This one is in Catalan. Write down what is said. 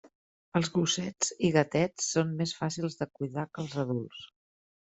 Els gossets i gatets són més fàcils de cuidar que els adults.